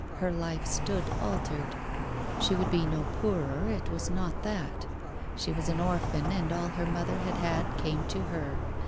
Her life stood altered. She would be no poorer, it was not that. She was an orphan, and all her mother had had came to her.